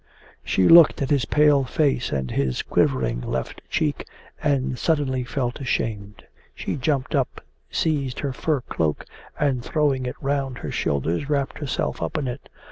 She looked at his pale face and his quivering left cheek, and suddenly felt ashamed. She jumped up, seized her fur cloak, and throwing it round her shoulders, wrapped herself up in it.